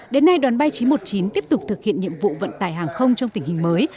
đến nay đoàn bay chín trăm một mươi chín tiếp tục thực hiện nhiệm vụ vận tải hàng không trong tình hình mới